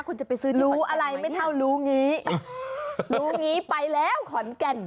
โอ้โหรู้อะไรไม่เท่ารู้งี้รู้งี้ไปแล้วขอนแก่น